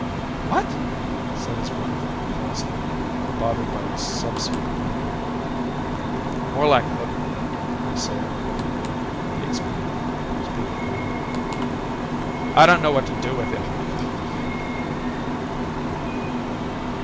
"What?" said his wife, crossly, bothered by a subsequent mumbling. "More like hook worm, I said," he explained, speaking louder. "I don't know what to do with him!"